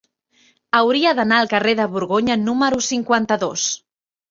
Hauria d'anar al carrer de Borgonya número cinquanta-dos.